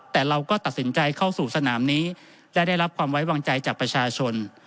แต่เราก็ตัดสินใจเข้าสู่สนามนี้และได้รับความไว้วางใจจากประชาชน